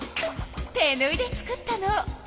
手ぬいで作ったの。